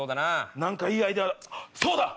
何かいいアイデアそうだ！